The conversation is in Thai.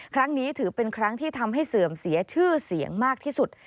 ครั้งนี้ถือเป็นครั้งที่ทำให้เสื่อมเสียชื่อเสียงมากที่สุด